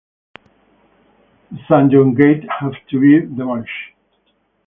The Sam Yot Gate have to be demolished.